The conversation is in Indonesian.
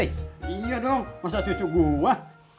iya dong masa tutup gua